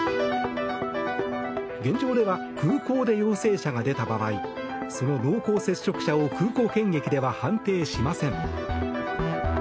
現状では空港で陽性者が出た場合その濃厚接触者を空港検疫では判定しません。